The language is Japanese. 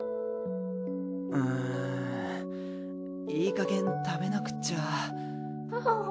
うんいいかげん食べなくっちゃあ。